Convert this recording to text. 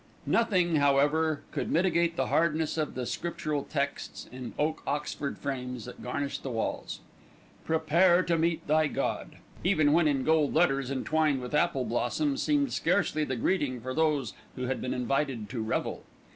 Nothing, however, could mitigate the hardness of the scriptural texts in oak Oxford frames that garnished the walls. "Prepare to Meet Thy God," even when in gold letters entwined with apple blossom, seemed scarcely the greeting for those who had been invited to revel.